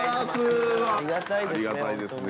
ありがたいですね。